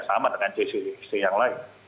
sama dengan cc yang lain